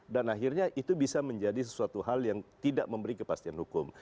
dan akhirnya itu bisa menjadi sesuatu hal yang tidak memberi kepastian hukum